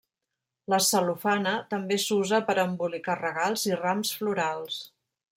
La cel·lofana també s'usa per a embolicar regals i rams florals.